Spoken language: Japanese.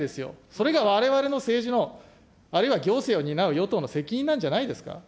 それがわれわれの政治の、あるいは行政を担う与党の責任なんじゃないですか。